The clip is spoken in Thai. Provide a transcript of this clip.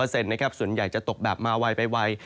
ส่วนใหญ่จะตกดับมาวัยไปวัย